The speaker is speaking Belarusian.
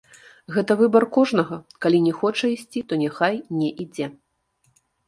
Гэта выбар кожнага, калі не хоча ісці, то няхай не ідзе.